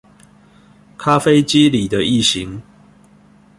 咖啡機裡的異型